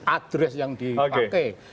adres yang dipakai